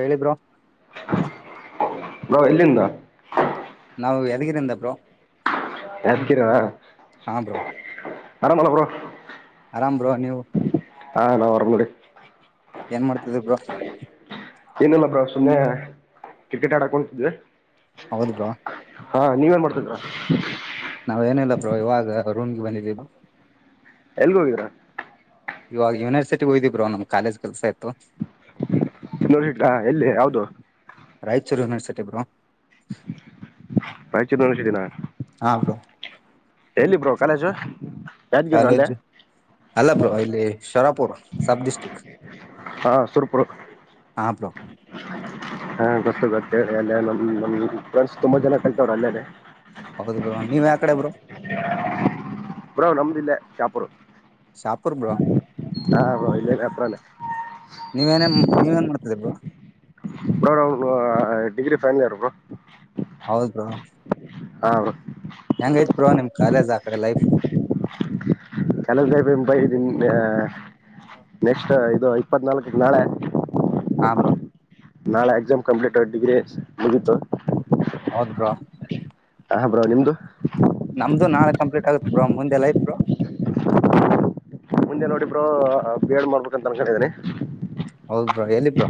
ಹೇಳಿ ಬ್ರೋ. ನಾವ್ ಎಲ್ಲಿಂದ. ನಾವು ಯಾದಗಿರಿಂದ ಬ್ರೋ. ಯಾದಗಿರ ಹಾ ಬ್ರೋ ಆರಾಮಲ್ಲ ಬರೋ. ಹಾ ಬ್ರೋ ನೀವು. ಹ ನಾ [unintelligible] ಏನ್ ಮಾಡ್ತಿದ ಬ್ರೋ. ಏನಲ್ಲ ಬ್ರೋ ಸುಮ್ಮನೆ ಕಿಕೆಟ್ ಆಡಕ್ ಹೋಗ್ತಿದ್ದೆ ಹೌದು ಬ್ರೋ ಹಾ ನೀವೇನ್ ಮಾಡ್ತಿದ್ ಬ್ರೋ. ನಾವ್ ಏನಿಲ್ಲ ಬ್ರೋ ಇವಾಗ ರೂಮ್ಗೆ ಬಂದಿದ್ವಿ ಎಲ್ಗ ಹೋಗಿದರಾ ಇವಾಗ ಯೂನಿವರ್ಸಿಟಿ ಹೋಗಿದ್ವಿ ಬ್ರೋ ನಮ್ ಕಾಲೇಜ್ ಕೆಲ್ಸ ಇತ್ತು. [unintelligible] ಎಲ್ಲಿ ಯಾವ್ದೂ [unintelligible] ಬ್ರೋ. [unintelligible] ಹಾ ಬ್ರೋ. ಎಲ್ಲಿ ಬ್ರೋ ಕಾಲೇಜು. ಯಾದಗಿರಿನ ಅಲ್ಲೇ ಕಾಲೇಜ್ ಅಲ್ಲ ಬ್ರೋ ಇಲ್ಲಿ ಶರಾ [unintelligible] ಸಬ್ ಡಿಸ್ಟಿಕ್. ಹಾ [unintelligible] ಹಾ ಅಪ್ಪಾ. ಹಾ ಗೊತ್ತ [unintelligible] ಫ್ರೆಂಡ್ ತುಂಬ ಜನ ಕಲ್ತಾವ್ರ ಅಲ್ಲೇನೆ ಹೌದು ಬ್ರೋ ನೀವ್ ಯಾ ಕಡೆ ಬ್ರೋ ಬ್ರೋ ನಮ್ದು ಇಲ್ಲೇ ಶಾಪೂರ ಶಾಪೂರ ಬ್ರೋ ಹಾ ಬ್ರೋ ಇಲ್ಲೆ ಶಾಪುರಣೆ ನೀವೇನೇನ್ ನೀವೇಏನ್ ಮಾಡ್ತಿದಿರಾ ಬ್ರೋ ಬೋ ಡಿಗ್ರಿ ಫೈನಲ್ ಇಯರ್ ಬ್ರೋ ಹೌದ ಬ್ರೋ ಹಾ ಬ್ರೋ ಹೆಂಗೈತ್ ಬೋ ನಿಮ್ ಕಾಲೇಜ್ ಆ ಕಡೆ ಲೈಫ್ ಕೆಲಾಸಾ ಬೈ ನಿ ನೆಕ್ಸ್ಟ್ ಇದು ಇಪ್ಪತ್ನಾಲ್ಕಕ್ ನಾಳೆ ಹಾ ಬ್ರೋ ನಾಳೆ ಎಕ್ಸಾಮ್ ಕಂಪ್ಲೀಟ್ ಆ ಡಿಗ್ರಿ ಮುಗಿತು ಹೌದ ಬ್ರೋ ಹಾ ಬ್ರೋ ನಿಮ್ಮದು ನಮ್ದು ನಾಳೆ ಕಂಪ್ಲೀಟ್ ಆಗತ್ ಬ್ರೋ ಮುಂದೆ ಲೈಫ್ ಬ್ರೋ ಮುಂದೆ ನೋಡಿ ಬ್ರೋ ಬಿಎಡ್ ಮಾಡ್ಬೇಕಂತ ಅನ್ಕೊಂಡು ಇದೀನಿ ಬ್ರೋ ಹೌದ್ ಬ್ರೋ ಎಲ್ಲಿ ಬ್ರೋ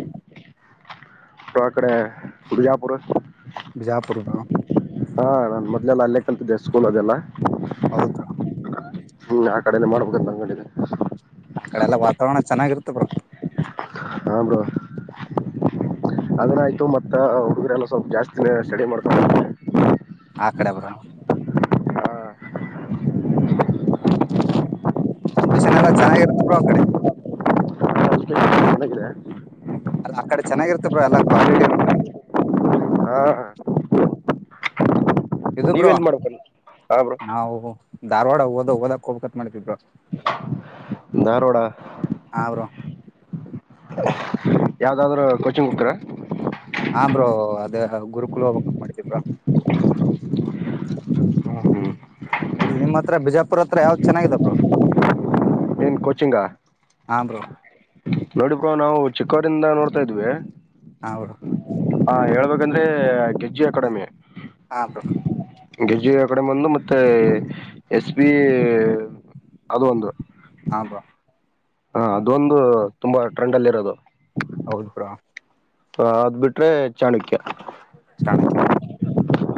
ಬ್ರೋ ಕಡೆ ಬಿಜಾಪುರ ಬಿಜಾಪುರಾ ಬ್ರೋ ಹಾ ನಾನ್ ಮೊದ್ಲೆಲ್ಲಾ ಅಲ್ಲೇ ಕಂತಿದ್ದೆ ಸ್ಕೂಲ್ ಅದೆಲ್ಲಾ ಹೌದ ಬ್ರೋ ಹ್ಮ್ ಆ ಕಡೆನ್ ಮಾಡ್ಬೇಕಂತ ಅನಕೊಂಡ ಇದೀನಿ ಆ ಕಡೆ ಎಲ್ಲಾ ವಾತಾವರಣ ಚೆನ್ನಾಗಿರ್ತ ಬ್ರೋ ಹಾ ಬ್ರೋ ಆದರೆ ಆಯ್ತು ಬ್ರೋ ಮತ್ತ ಹುಡುಗರೆ ಎಲ್ಲ ಸ್ವಲ್ಪ ಜಾಸ್ತಿನ ಸ್ಟಡಿ ಮಾಡ್ಕೊಂಡ ಆ ಕಡೆ ಬ್ರೋ ಎಜುಕೇಶನ್ ಎಲ್ಲ ಚೆನ್ನಾಗಿರುತ್ತ ಬ್ರೋ ಆ ಕಡೆ [unintelligible] ಅಲ್ಲ ಆ ಕಡೆ ಚೆನ್ನಾಗಿರ್ತ ಬ್ರೋ ಎಲ್ಲಾ ಕ್ವಾಲಿಟಿ ಇರುತ್ತಾ ಹಾ ಹಾ ಇದು ಬ್ರೋ ನೀವೆಲ್ಲಿ ಮಾಡ್ಬೇಕು ಹಾ ಬ್ರೋ ನಾವು ಧಾರವಾಡ ಓದಕ್ಕ ಓದಕ್ಕ ಹೋಗಬೇಕ್ ಮಾಡಿವ ಬ್ರೋ ಧಾರವಾಡ ಹಾ ಬ್ರೋ [unintelligible] ಯಾವ್ದಾದ್ರೂ ಕೋಚಿಂಗ್ ಹೊಕಿರ ಹಾ ಬ್ರೋ ಅದೇ ಗುರುಕುಲ ಹೋಗಬೇಕ್ ಮಾಡಿದೀವ ಬ್ರೋ ಹ್ಮ ಹ್ಮ ಇಲ್ಲಿ ನಿಮ್ಮ ಹತ್ರ ಬಿಜಾ ಪುರ ಹತ್ರ ಯಾವ್ದ್ ಚೆನ್ನಾಗಿದ ಬ್ರೋ ಏನ್ ಕೊಚಿಂಗಾ ಹಾ ಬ್ರೋ ನೋಡಿಪಾ ನಾವು ಚಿಕ್ಕವರಿಂದ ನೋಡ್ತಾ ಇದ್ವಿ ಹೌಡು ಹಾ ಹೇಳ್ಬೇಕಂದ್ರೆ ಕೆಜ್ಜಿ ಅಕಾಡೆಮಿ ಹಾ ಬ್ರೋ ಗಜೆ ಕಡಿಮೆ ಒಂದು ಮತ್ತೆ ಎಸ್ ಬಿ ಅದು ಒಂದು ಹಬಾ ಹಾ ಅದೊಂದು ತುಂಬಾ ಟ್ರೆಂಡ್ ಅಲ್ಲಿ ಇರೋದು ಹೌದುಪಡಾ ಅದ ಬಿಟ್ರೆ ಚಾಣಕ್ಯ ಚಾಣಕ್ಯ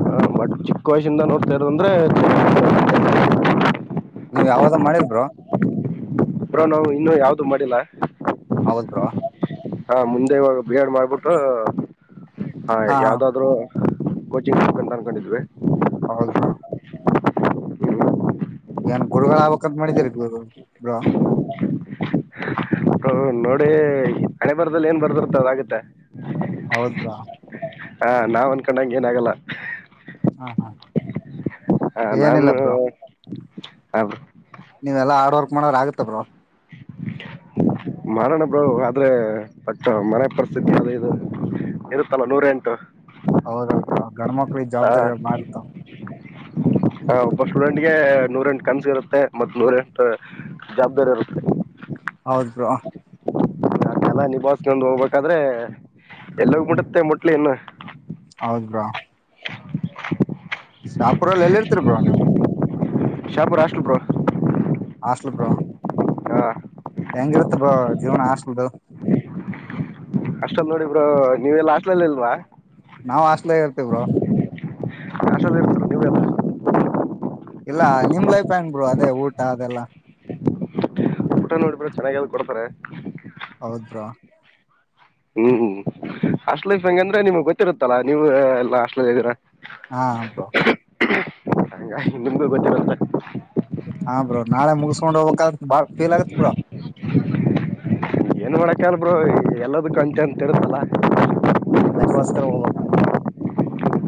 ಹ ಮ ಚಿಕ್ಕ ವಯಸಿಂದ ನೋಡ್ತಾರೋ ಅಂದ್ರೆ ನೀವ್ ಯಾವ್ದ್ ಮಾಡಿಲ್್ರರು ಬ್ರೋ ನಾವು ಇನ್ನುೂ ಯಾವ್ದು ಮಾಡಿಲ್ಲ ಹೌತ್ ಹಾ ಮುಂದೆವಾಗ ಬಿ ಎಡ್ ಮಾಡ್ಬಿಟ್ಟು ಹ ಹಾ ಯಾವ್ದಾದ್ರು ಕೋಚಿಂಗ್ ಕನ್ಕೊಂಡಿದ್ವಿ ಹೌದವಾಾ ಏನ್ ಗುರುಗಳ ಆಕತ್ ಮಾಡಿದೀರಿ ಗು ಗು್ರ ಹ ನೋಡಿ ಹಣೆ ಬರದದಲ್ಲಿ ಏನ್ ಬರ್ದಿರ್ತ ಅದಾಗುತ್ತೆ ಹೌದ್ರಾ ಹ ನಾವ್ ಅನ್ಕೊಂಡಂಗ ಏನ ಆಾಗಲ್ಲ ಹಾ ಹಾ ಹ ಏನಿಲ್ಲ ನಾನು ಬ್ರೋ ನೀವೆಲ್ಲಾ ಆಡವರ್ ಚಮವರ್ ಆಗತ್ತ ಬ್ರ ಮೋಣ ಬ್ರೋ ಆದ್ರೆ ಬಟ್ ಮನೆ ಪರಿಸ್ಥಿತಿ ಯಾವ್ದ ಇದು ಇರುತ್ತಲ್ಲ ನೂರ ಎಂಟು ಹೌದಲ್ಪ ಗಣಮ ಜವಾಬ್ದಾರಿ ಮಾರತಾವ ಹ ಒಬ್ಬ ಸ್ಟೂಡೆಂಟ್ಗೆ ನೂರಂಟು ಕನ್ಸು ಇರುತ್ತೆ ಮತ್ತ್ ನೂರ ಎಂಟು ಜವಾಬ್ದಾರಿ ಇರುತ್ತೆ ಹೌದ ಬ್ರೋ ೆಲ್ಲ ನಿಭಸ್ಗೆ ಒಂದು ಹೋಗ್ಬೇಕಾದ್ರೆ ಎಲ್ಲ ಮುಡುತ್ತೆ ಮುಟ್ಲಿ ಇನ್ನು ಹೌದ್ರಾ ಶಾಪುರಲ್ಲಿ ಎಲ್ಲಿ ಇರ್ತೀರಿ ಬ್ರೋ ನೀವು ಶಾಪುರ ಅಾಷ್ಟಪ ಹಾಸ್ಲ್ಪರ ಹಾ ಹೆಂಗಿರುತ್ತ ಬ ಜೀವನ ಆಸ್ಲ್ದು ಅಷ್ಟಲ್ ನೋಡಿ ಇಬ್್ರರು ನೀವವೆಲ್ಲಾ ಹಾಟ್ಲಲ್ಲಿ ಇಲ್ವಾ ನಾವ್ ಹಾಸ್ಟ್ಲಾಗ ಇರ್ತೀವಿ ಬ್ರೋ ಆಸರ್ ನೀವಲ್ಲ ಇಲ್ಲ ನಿಮ್ ಲೈಫ್ ಹೆಂಗ್ರು ಅದೇ ಊಟ ಅದೆಲ್ಲಾ ಊಟ ನೋಡಿಬ್ರೆ ಚೆನ್ನಾಗ ಕೊಡ್ತಾರೆ ಹೌದಬ್ರಾ ಹ್ಮ್ ಅಷ್ಟಲ ಇಂಗ ಅಂದ್ರೆ ನಿಮಗ್ ಗೊತ್ತಿರುತ್ತಲ್ಲಾ ನೀವು ಎಲ್ಲ ಅಲ ಇದ್ದೀರಾ ಹಾ ಅಬ ಹ ನಿಮ್ಗೂ ಗೊತ್ತಿರಂತ ಹಾ ಬ್ರೋ ನಾಳೆ ಮುಗಸ್ಕೊಂಡ್ ಹೋಗ್ಬೇಕ್ದ್ರಾ ಬಾಳ್ ಫೀಲ್ ಆಗತ್ ಬ್ರೋ ಮಾಡಕ ಎಲ್ ಬ್ರೋ ಎಲ್ಲ ಕಂಟೆಂಟ್ ಇರುತ್ತಲ್ಲ ಲಗುವೋಸ್ಕರ ಹೋಗ್ಬೇಕಂತ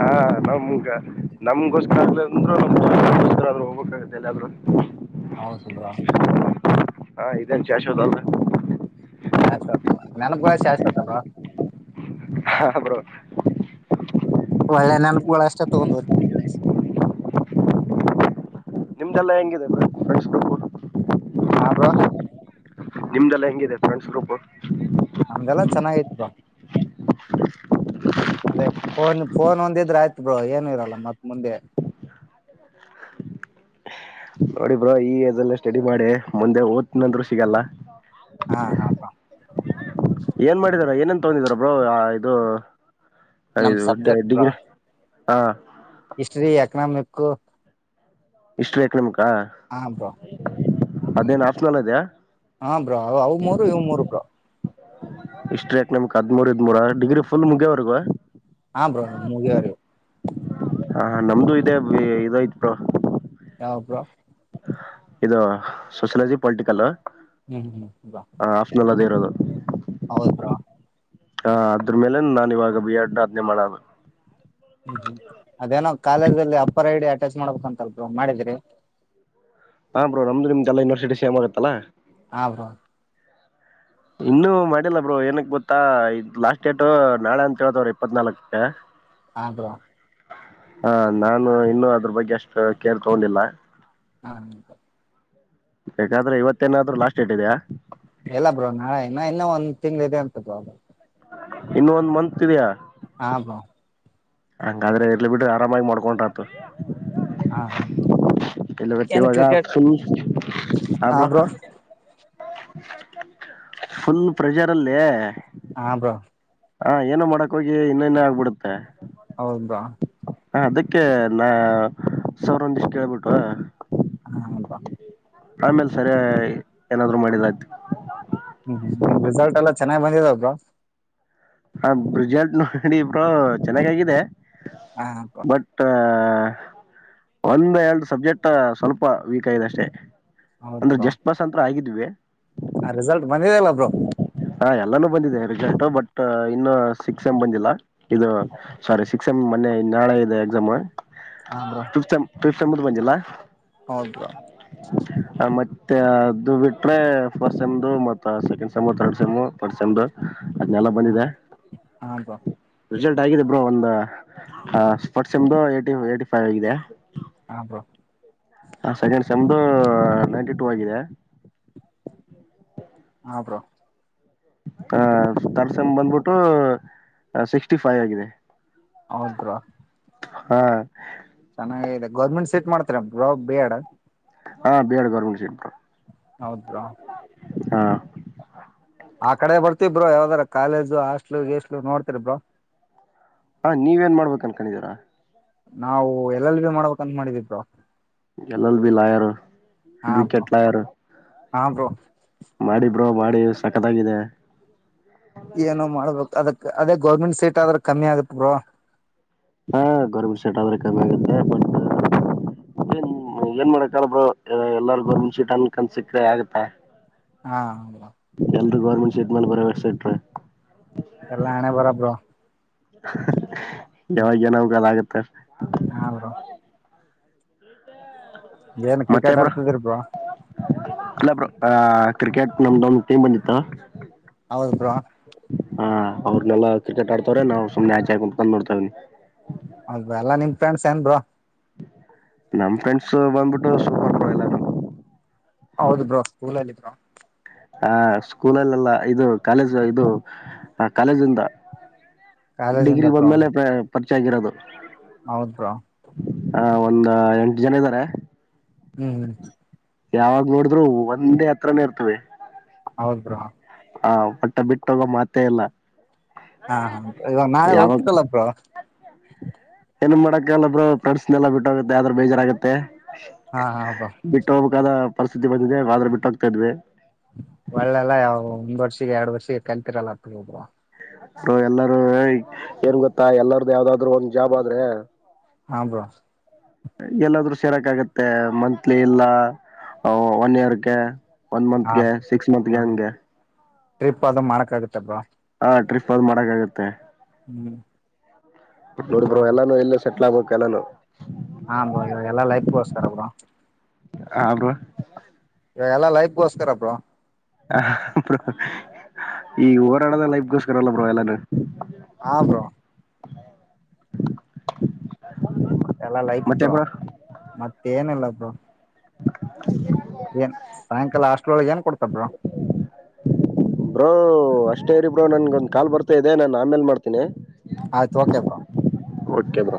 ಹಾ ನಮ್ಗ ನಮಗೋಸ್ಕರ ಅಂದ್ರುಸ್ರ ಆದರು ಹೋಗ್ಬೇಕಾಗತ್ತೆಲ್ಲ ಆದ್ರರು ಹೌಸಿದರಾ ಹಾ ಇದನ್ ಚಷೋದ ಅಲ್ಲ ಶಾಶ್ವತಲ್ಲ ನೆನಪಗಳ ಶಾಶ್ವತಲ್ವ ಹ ಬ್ರೋ ಒಳ್ಳೆ ನೆನಪುಗಳು ಅಷ್ಟ ತಗೊಂಡ [unintelligible] ನಿಮ್ದೆಲ್ಲ ಹೆಂಗಿದೆ ಮ ಮಸ್ಕರು ಹಾ ಬ್ರೋ ನಿಮ್ದಲ್ಲ ಹೆಂಗಿದೆ ಫ್ರೆಂಡ್ ಗ್ರೂಪ್ ನಮ್ದಲ್ಲಾ ಚೆನ್ನಾಗೈತ್ ಬ್ರೋ [inaudible] ಅದೇ ಫೋನ್ ಫೋನ್ ಒಂದಿದ್ರ ಆಯ್ತ್ ಬ್ರೋ ಏನು ಇರಲ್ಲ ಮತ್ ಮುಂದೆ ನೋಡಿ ಬ್ರೋ ಈ ಅದೆಲ್ಲ ಸ್ಟಡಿ ಮಾಡಿ ಮುಂದೆ ಓದತಿನಿದ್ರು ಸಿಗಲ್ಲ ಹಾ ಹಬಾ ಏನ್ ಮಾಡಿದಾರ ಏನಂತ ತಂದಿದರ ಬ್ರೋ ಆ ಇದು ನಮ್ ಹಯದು ಡ ಸಬ್ಜೆಕ್ಟ್ ಬ್ರೋ ಡಿಗ್ರಿ ಹಾ ನಕ್ಕು [unintelligible] ಇಷ್ಟು ಬೇಕು ನಿಮ್ಗ ಹ ಬ್ರೋ ಅದೇನ್ ಅಪ್ಸೆನಲ್ ಅದೆಯ ಹಾ ಬ್ರೋ ಅವ ಮೂರು ಇವ್ ಮೂರು ಬ್ರೋ ಇಷ್ಟ ರೇಟ್ ನಮಕ್ ಹದಮೂರ ಇದಮೂರ ಡಿಗ್ರಿ ಫುಲ್ ಮುಗ್ಯವರ್ಗ ಹಾ ಬ್ರೋ ಮುಗಿಯವರೆಗು ಹ ನಮ್ದು ಇದೆ ಇದ್ತ್ ಬ್ರೋ ಯಾವ ಬ್ರೋ ಇದು ಸೋಷಲಜಿ ಪೊಲಿಟಿಕಲ್ ಹ್ಮ್ ಹ್ಮ್ ವಾ್ ಆಪ್ಷನಲ್ ಅದೇ ಇರೋದು ಹೌದ್ ಬ್ರೋ ಹಾ ಅದ್ರ ಮೇಲೆ ನಾನ ಇವಾಗ ಬಿ ಆಡ್ ಆದ್ಞೆ ಮಾಡದು ಹ್ಮ್ ಹ್ಮ್ ಅದೇನೋ ಕಾಲೇಜ್ ಅಲ್ಲಿ ಅಪ್ಪರ್ ಐಡಿ ಸರ್ಚ ಮಾಡ್ಬೇಕಂತ ಅಲ್ ಬ್ರೋ ಮಾಡಿದ್ರಿ ಹಾ ಬ್ರೋ ನಮ್ದು ನಿಮ್ದ ಎಲಾ ಯನಿವರ್ಸಟಿ ಸೇಮ್ಗುತ್ತತ್ತಲ್ಲ ಹಾ ಬ್ರೋ ಇನ್ನುೂ ಮಾಡಿಲ್ಲ ಬ್ರೋ ಏನಕ್ ಗೊತ್ತಾ ಇದ್ ಲಾಸ್ಟ್ ಡೇಟ್ ನಾಳೆ ಅಂತ ಹೇಳತವ್ರರು ಇಪ್ಪತ್ ನಾಲ್ಕಕೆ ಹಾ ಬ್ರೋ [unintelligible] ಹ ನಾನು ಇನ್ನು ಅದ್ರ ಬಗ್ಗೆ ಅಷ್ಟು ಕೇರ್ ತಗೊಂಡಿಲ್ಲ ಹಾ ಹ ಬಾೇಕಾದ್ರೆ ಇವತ್ತೇನಾದ್ರು ಲಾಸ್ಟ್ ಡೇಟ್ ಇದೆಯಾ ಎಲ್ಲ ಬ್ರೋ ನಾಳ ಇನ್ನು ಇನ್ನೊ ಒಂದ್ ತಿಂಗ್ಳ ಇದೆ ಅಂತದ ಇನ್ನ ಒಂದ್ ಮಂತ್ ಇದೆಯಾ ಹಾಬಾ ಹಂಗಾದ್ರೆ ಇರ್ಲ್ ಬಿ್ರ ಆರಾಮಾಗಿ ಮಾಡ್ಕೊಂಡ್ರತ ಹಾ ಹಾ [inaudible] ಇಲ್ಲ ಏನ್ ಕ್ರಿಕೆಟ್ ಬತ್ತೆವಾಗರು ಹಾ ಬ್ರೋ [inaudible] ಫುಲ್ ಪ್ರೆಷರ್ ಅಲ್ಲಿ ಹಾ ಬ್ರೋ ಹಾ ಏನೋ ಮಾಡಕ್ ಹೋಗಿ ಇನ್ನ ಇನ್ನ ಆಗ್ಬಿಡುತ್ತೆ ಹೌದಾ ಹ ಅದಕ್ಕೆ ನಾ ಸರಂದಿಷ್ಟ್ ಕೇಳ್ಬಿಟ್ಟು ಹಾಬಾ ಆಮೇಲ್ ಸರಿಯ ಏನಾದ್ರು ಮಾಡಿಲ್ಲ ಆಯ್ತು ಚೆನ್ನಾಗಿ್ ಬಂದಿದೆ ಒಬ್ಬ [inaudible] ಹಾ ಬ್ರಿಜಾಟ್ ನೋಡಿ ಇಬ್ರ ಚೆನ್ನಾಗ ಆಗಾಗಿದೆ ಹಾ ಬ್ರೋ [inaudible] ಬಟ್ ಒಂದ ಎರಡು ಸಬ್ಜೆಕ್ಟ್ ಸ್ವಲ್ಪ ವೀಕ್ ಆಗಿದೆ ಅಷ್ಟೇ ಅಂದ್ರೆ ಜಸ್ಟ್ ಬಸ್ ಅಂತತ್ರ ಆಗಿದ ಇುವೆ ಆ ರಿಸಲ್ಟ್ ಬಂದಿದೆಲ್ಲಬ್ರು ಹಾ ಎಲ್ಲಾನು ಬಂದಿದೆರಿಂ ಬಟ್ ಇನ್ನು ಸಿಕ್ಸ್ ಎಮ್ ಬಂದಿಲ್ಲ ಇದು ಸಾರಿ ಸಿಕ್ಸೆಮ್ ಮೊನ್ನೆ ನಾಳೆ ಇದೆ ಎಕ್ಸಾಮ್ ಹಾ ಬ್ರೋ ಿಫ್ ತಂಬದ ಬಂಜಿಲ್ಲಾ ಹೌದ್ ಬ್ರೋ [inaudible] ಹ ಮತ್ತ ಮ ಅದು ಬಿಟ್ರೆ ಫಸ್ಟ್ ಸಮ್ದು ಮ ಸೆಕೆಂಡ್ ಸೆಮು ಥರ್ಡ್ ಸೆಮು ರ್ ಸೆಮು ಹಾ ಹಾಬ ರಿಸಲ್ಟ್ ಆಗಿದೆ ಬ್ರೋ ಒಂದು ಸ್ಪೋಟ್ಸಮು ಏಿ ಏ್ಟಿ ಫೈವ್ ಆಗಿದೆ ಹಬೋ ಹ ಸೆಕೆಂಡ್ ಸೆಮ್ದು ನೈಂಟಿ ಟೂ ಆಗಿದೆ ಹಬರ [unintelligible] ಹ ತರ್ಸಮ್ ಬಂದ್ಬಿಟ್ಟು ಸಿಕ್ಸ್ಟಿ ಫೈವ್ ಆಗಿದೆ ಹೌದ್ರಾ ಹಾ ಚೆನ್ನಾಗಾಗಿದೆ ಗೌರ್ಮೆಂಟ್ ಸೆಟ್ ಮಾಡ್ತಾರ ರಾ ಬೇ್ಯಾಡ ಹಾಂ ಬಿ ಎಡ್ ಗೌರ್ಮೆಂಟ್ ಶಲ್ ಹೌದ್ರಾ ಹಾ ಆ ಕಡೆ ಬರ್ತೀ ಬ್ರೋ ಯಾವ್ದಾರ ಕಾಲೇಜು ಹಾಸ್ಟ್ಲು ಜಗಿಸ್ಲೋ ನೋಡ್ತರಿ ಬ್ರೋ ಹ ನೀವ ಏನ್ ಮಾಡ್ಬೇಕ ಅನ್ಕೊಂಡಿದೀರಾ ನಾವು ಎಲ್ಲಲ್ಲಿ ಭ ಮಾಡ್ಬೇಕಂತ ಮಾಡಿದಿದ್ರ ಎಲಲ್ ಬಿ ಲಾಯರ ಹಾ ಎ ಬ್ರೋ ವಿಕೆಟ್ ಲಾಯರ್ ಹಾ ಬ್ರೋ ಮಾಡಿ ಬ್ರೋ ಮಾಡಿ ಸಕತಾಗಿದೆ ಏನೋ ಮಾಡ್ಬೇಕು ಅದಕ್ಕೆ ಅದೇ ಗೌರ್ಮೆಂಟ್ ಸೀಟ್ ಆದ್ರೆ ಕಮ್ಮಿ ಆಗತ್ ಬ್ರೋ ಹಾ ಗೌರ್ಮೆಂಟ್ ಸೀಟ್ ಆದ್ರೆ ಕಮ್ಮಿ ಆಗುತ್ತೆ ಬಟ್ ಏನ್ ಏನ್ ಮಾಡಕಲ್ ಬ ಎಲ್ಲಾರು ಗೋರ್ಮೆಂಟ್ ಸೀಟ್ ಅನ್ಕನ್ಸಕ್ಕ್ರೆ ಆಗತ್ತಾ ಹಾ ಹ [inaudible] ಗೌರ್ಮೆಂಟ್ ಸೈಟ್ ಮೇಲೆ ಪ್ರೈವಟ್ ಸೈಟ್್ ಎಲ್ಲಾ ಹಣೆ ಬರ ಬ್ರೋ ಹ [inaudible] ಯಾವಾಗ್ಯ ಏನಾಗಬೇಕಾದಾಗು ಆಗುತ್ತೆ ತ್ತ [inaudible] ಹಾ ಬ್ರೋ ಏನ್ ಕ್ರಿಕೆಟ್ ಮತ್ತೆಬ್ರು ಆಡ್ತಿದಿರಿ ಬ್ರೋ ಎಲ್ಲ ಬರೋ ಆ ಕ್ರಿಕೆಟ್ ನಮ್ದ ಒಂದು ಟೀಮ್ ಬಂದಿತ್ತಾ ಹೌದು ಬ್ರಾ ಹಾ ಅವ್ರನ್ನನೆಲ್ಲಾ ಕ್ರಿಕೆಟ್ ಆಡ್ತವ್ರೆ ನಾವು ಸುಮ್ನೆ ಆಚ್ ಆಗಟ್ಕೊಂಡ್ ನಡ್ತವ್ನಿ ಹೌರ ಎಲ್ಲಾ ನಿಮ್ ಫ್ರೆಂಡ್ಸ್ ಏನ್ರು ನಮ ಫ್ರೆಂಡ್ಸ್ ಬಂದ್ಬಿಟ್ಟು ಸೂಪರ್ ಇಲ್ಲ ಹೌದು ಬ್ರೋ [inaudible] ಹ ಸ್ಕೂಲಲ್ಲೆಲ್ಲ ಇದು ಕಾಲೇಜ್ ಇದು ಕಾಲೇಜಿಂದ ಕಾಲೇಜಿಂದ ಡಿಗ್ರಿ ಬಂದ್ಮೇಲೆ ಪರಿಚಯ ಆಗಿರೋದು ಹೌದ್ರಾ ಹ ಒಂದ ಎಂಟು ಜನ ಇದ್ದಾರೆ ಹ್ಮ್ ಹ್ಮ್ ಯಾವಾಗ್ ನೋಡಿದ್ರು ಒಂದೇ ಹತ್ರನೇ ಇರ್ತವೆ ಹೌದ್ರಾ ಹ ಪಟ್ಟ ಬಿಟ್ಟೋಗೋ ಮಾತ ಇಲ್ಲ ಹಾ ಹಾ ಈಗ ನಾಳೆ ಯಾವಾಗ ಹೋಗ್ತರಲ್ಲಪ್ರ ಏನ್ ಮಾಡಕಲ್ಲ ಬ್ರಡ್ಸ್ನೆಲ್ಲ ಬಿಟ್ಟೋಗುತ್ತೆ ಆದ್ರೂ ಬೇಜಾರಾಗುತ್ತೆ ಹಾ ಹಾ ಬ್ರೋ ಬಿಟ್ಟೋಬೇಕದ ಪರಿಸ್ಥಿತಿ ಬಂದಿದೆ ಆದ್ರ ಬಿಟ್ಟೋಗ್ತಾ ಇದ್ವಿ ಒಳ್ಳೆಲ್ಲ ಯಾವ ಒಂದ್ ವರ್ಷಿಗೆ ಎರಡ್ ವರ್ಷ ಸ ಕಣತರಲ್ಲ ಅಬ ಎಲ್ಲಾರೂ ಏನ್ ಗೊತ್ತಾ ಎಲ್ಲಾರ್ದ ಯಾವ್ದಾದ್ರು ಒಂದ್ ಜಾಬ್ ಆದ್ರೆ ಹಾ ಬ್ರೋ. ಎಲ್ಲಾದ್ರೂ ಸೇರಕ ಆಗತ್ತೆ ಮಂತ್ಲಿ ಇಲ್ಲ ಒನ್ ಇಯರ್ಗೆ. ಒನ್ ಹಾ ಮಂತ್ಗೆ ಸಿಕ್ಸ್ ಹಾ ಮಂತ್ಗೆ ಅಂಗೆ. ಟ್ರಿಪ್ ಅದು ಮಾಡಕ ಆಗುತ್ತಾ ಬ್ರೋ. ಹಾ ಟ್ರಿಪ್ ಆದು ಮಾಡಕಾಗತ್ತೆ. ಹ್ಮ್. ನೋಡ ಬ್ರೋ ಇವಾಗ ಎಲ್ಲಾನು ಎಲ್ಲ. ಸೆಟ್ಲ್ ಆಗಬೇಕ ಎಲ್ಲಾನು. ಹಾ ಬೋ ಇವಾಗೆಲ್ಲಾ ಲೈಫಗೋಸ್ಕರ ಬ್ರೋ. ಹಾ ಬ್ರೋ. ಎಲ್ಲ ಲೈಫ್ಗೋಸ್ಕರ ಬ್ರೋ. ಹ ಬ್ರೋ ಈ ಓಡಾಡೋದೆ ಲೈಫಗೋಸ್ಕರ ಅಲ್ಲ ಬ್ರೋ ಎಲ್ಲಾನು. ಹಾ ಬ್ರೋ [inaudible] ಎಲ್ಲಾ ಲೈಫ ಬ್ರೋ ಮತ್ತ ಏನಿಲ್ಲ. ಬ್ರೋ. [inaudible] ಏನ್ ಸಾಯಂಕಾಲ ಅಷ್ಟ್ರೊಳಗ ಏನ್ ಕೊಡ್ತಾರೆ ಬ್ರೋ. ಬ್ರೋ ಅಷ್ಟೇ ರಿ ಬ್ರೋ ನನ್ಗೊಂದ್ ಕಾಲ್ ಬರ್ತಾ ಇದೆ ನಾನ ಆಮೇಲ್ ಮಾಡ್ತೀನಿ. ಆಯ್ತು ಓಕೆ ಬ್ರೋ. Okay bro.